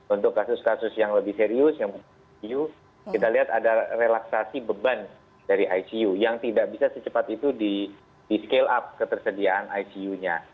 untuk kasus kasus yang lebih serius yang icu kita lihat ada relaksasi beban dari icu yang tidak bisa secepat itu di scale up ketersediaan icu nya